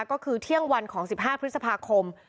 ก็คือเที่ยงวันของ๑๕พฤษภาคม